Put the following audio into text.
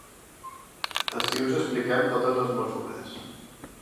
Ací us expliquem totes les mesures.